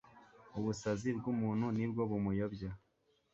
ubusazi bw'umuntu ni bwo bumuyobya